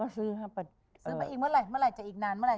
สื้อไปอีกเมื่อไรจะอีกนาน